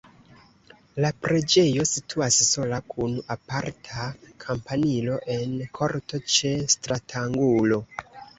La preĝejo situas sola kun aparta kampanilo en korto ĉe stratangulo.